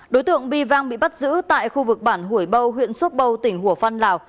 đối tượng bi vang bị bắt giữ tại khu vực bản hủy bâu huyện sốt bâu tỉnh hủa phan lào